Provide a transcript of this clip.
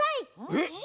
えっ？